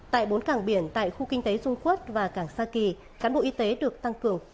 tại bốn cảng biển tại khu kinh tế dung quốc và cảng sa kỳ cán bộ y tế được tăng cường